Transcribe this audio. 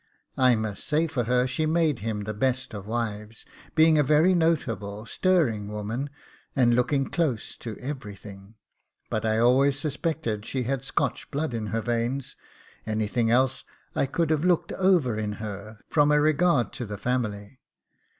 I must say for her, she made him the best of wives, being a very notable, stirring woman, and looking close to everything. But I always suspected she had Scotch blood in her veins; anything else I could have looked over in her, from a regard to the family.